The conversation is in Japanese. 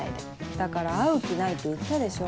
だから会う気ないって言ったでしょ。